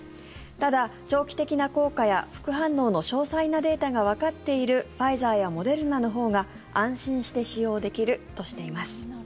ただ、長期的な効果や副反応の詳細なデータがわかっているファイザーやモデルナのほうが安心して使用できるとしています。